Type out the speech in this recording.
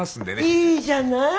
いいじゃない！